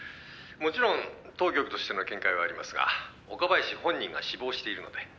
もちろん当局としての見解はありますが岡林本人が死亡しているので」